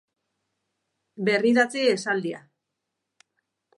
Berridatzi esaldia.